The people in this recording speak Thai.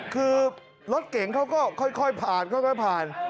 คือรถเก่งเขาก็ค่อยผ่านค่อยผ่าน